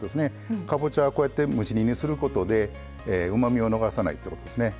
かぼちゃはこうやって蒸し煮にすることでうまみを逃さないってことですね。